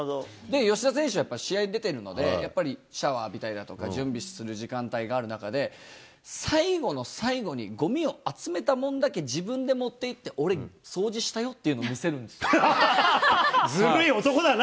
吉田選手は、やっぱり試合出てるので、やっぱりシャワー浴びたりだとか、準備する時間帯がある中で、最後の最後にごみを集めたもんだけ自分で持っていって、俺、掃除したよというのを見せるんでずるい男だな。